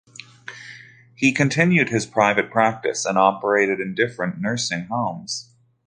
He continued his private practice and operated in different nursing homes.